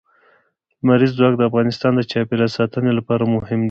لمریز ځواک د افغانستان د چاپیریال ساتنې لپاره مهم دي.